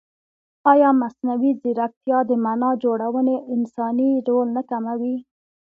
ایا مصنوعي ځیرکتیا د معنا جوړونې انساني رول نه کموي؟